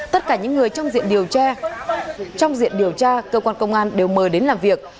tất cả những người trong diện điều tra cơ quan công an đều mời đến làm việc